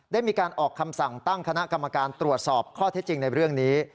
ได้มีการออกคำสั่งตั้งคณะกรรมการตรวจสอบข้อเท็จจริงในเรื่องนี้